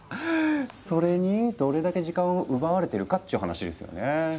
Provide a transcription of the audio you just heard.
それにどれだけ時間を奪われてるかっちゅう話ですよね。